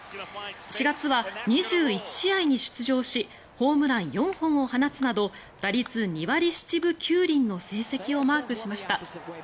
４月は２１試合に出場しホームラン４本を放つなど打率２割７分９厘の成績をマークしました。